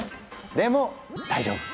でも大丈夫！